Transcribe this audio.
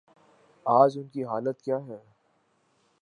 آج ان کی حالت کیا ہے؟